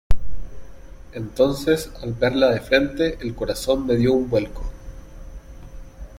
entonces, al verla de frente , el corazón me dió un vuelco.